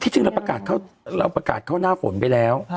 ที่จึงเราประกาศเข้าหน้าฝนไปแล้ว